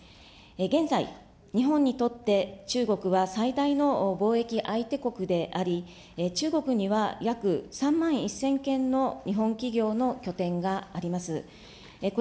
現在、日本にとって中国は最大の貿易相手国であり、中国には約３万１０００けんの日本企業の拠点があります。